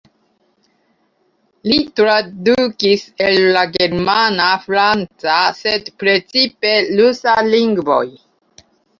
Li tradukis el la germana, franca, sed precipe rusa lingvoj.